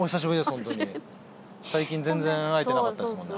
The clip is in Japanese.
ホントに最近全然会えてなかったですもんね